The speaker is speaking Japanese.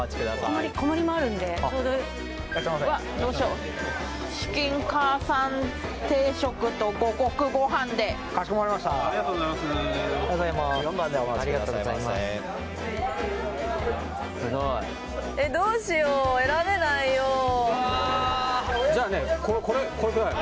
小盛小盛もあるんでちょうどいらっしゃいませうわどうしようチキンかあさん煮定食と五穀ご飯でかしこまりましたありがとうございます４番でお待ちくださいませありがとうございますすごいえっどうしよう選べないよわあじゃあねこれください